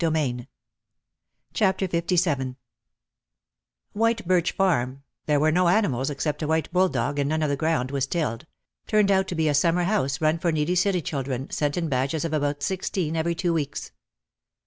OUT OF THE SHADOW 261 LVII White Birch Farm (there were no animals except a white bull dog and none of the ground was tilled) turned out to be a summer house run for needy city chil dren sent in batches of about sixteen every two weeks.